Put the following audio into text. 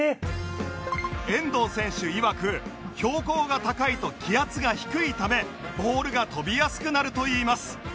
遠藤選手いわく標高が高いと気圧が低いためボールが飛びやすくなるといいます